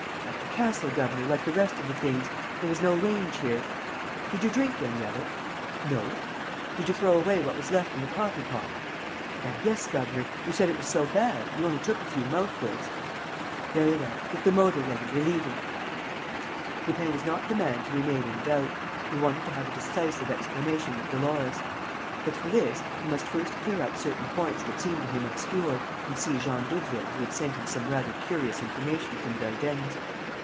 "At the castle, governor, like the rest of the things. There is no range here." "Did you drink any of it?" "No." "Did you throw away what was left in the coffee pot?" "Why, yes, governor. You said it was so bad. You only took a few mouthfuls." "Very well. Get the motor ready. We're leaving." Lupin was not the man to remain in doubt. He wanted to have a decisive explanation with Dolores. But, for this, he must first clear up certain points that seemed to him obscure and see Jean Doudeville who had sent him some rather curious information from Veldenz.